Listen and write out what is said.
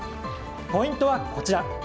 ポイントはこちら。